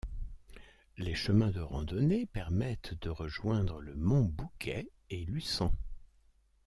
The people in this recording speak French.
Les chemins de randonnées permettent de rejoindre le Mont Bouquet et Lussan.